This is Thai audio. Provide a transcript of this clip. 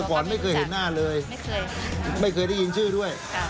แต่ก่อนไม่เคยเห็นหน้าเลยไม่เคยได้ยินชื่อด้วย